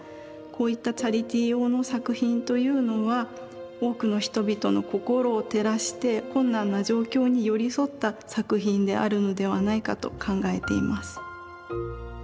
こういったチャリティー用の作品というのは多くの人々の心を照らして困難な状況に寄り添った作品であるのではないかと考えています。